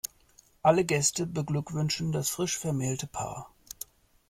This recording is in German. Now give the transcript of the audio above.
Alle Gäste beglückwünschen das frisch vermählte Paar.